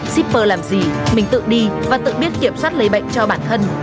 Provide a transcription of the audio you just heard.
shipper làm gì mình tự đi và tự biết kiểm soát lây bệnh cho bản thân